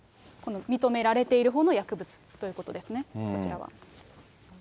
この認められているほうの薬物ということですね、こちらは。